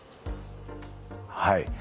はい。